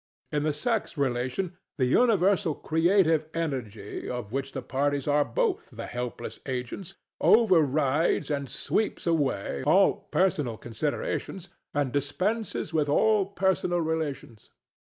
In the sex relation the universal creative energy, of which the parties are both the helpless agents, over rides and sweeps away all personal considerations and dispenses with all personal relations.